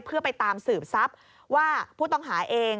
เพื่อไปตามสืบทรัพย์ว่าผู้ต้องหาเอง